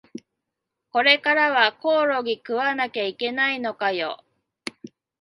これからはコオロギ食わなきゃいけないのかよ